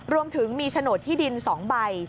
รวมถึงมีโฉนดที่ดิน๒ใบ